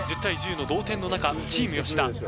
１０対１０の同点の中チーム吉田。